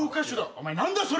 「お前何だそれ！？」